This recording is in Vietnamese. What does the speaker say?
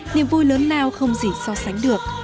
niềm vui lớn lao không gì so sánh được